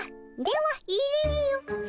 では入れよ。